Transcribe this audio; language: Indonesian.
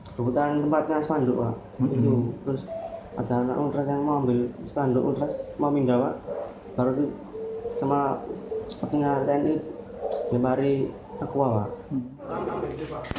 pstni menemukan tempatnya sepanduk lalu ada anak ultras yang mengambil sepanduk ultras memindahkan baru di tengah tni lemari taku wawah